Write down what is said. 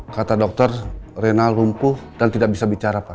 kata dokter reynal lumpuh dan tidak bisa bicara pak